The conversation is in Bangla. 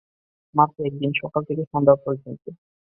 মাত্র একদিন, সকাল থেকে সন্ধ্যা পর্যন্ত।